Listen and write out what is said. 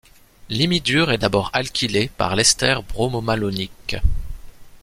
L'imidure est d'abord alkylé par l'ester bromomalonique.